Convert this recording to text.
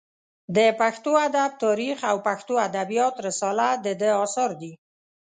د پښتو ادب تاریخ او پښتو ادبیات رساله د ده اثار دي.